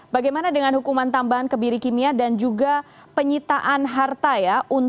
bagaimana dengan hukuman tambahan kebiri kimia dan juga penyitaan harta ya